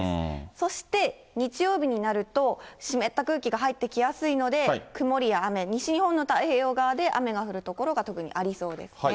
そして日曜日になると、湿った空気が入ってきやすいので、曇りや雨、西日本の太平洋側で雨が降る所が特にありそうですね。